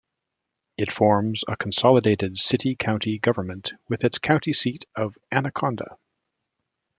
It forms a consolidated city-county government with its county seat of Anaconda.